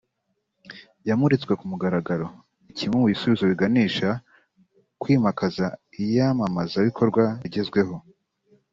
yamuritswe ku mugaragaro ni kimwe mu bisubizo biganisha ku kwimakaza iyamamaza bikorwa rigezweho